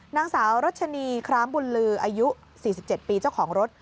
นางสาวรัชนีครามบุญลืออายุ๔๗ปีเจ้าของรถ